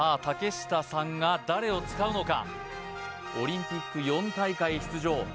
竹下さんが誰を使うのかオリンピック４大会出場